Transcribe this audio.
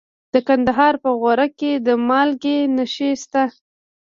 د کندهار په غورک کې د مالګې نښې شته.